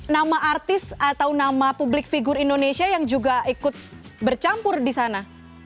nama artis atau nama publik figur indonesia yang juga ikut bercampur di sana